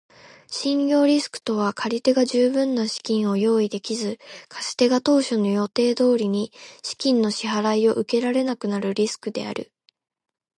信用リスクとは借り手が十分な資金を用意できず、貸し手が当初の予定通りに資金の支払を受けられなくなるリスクである。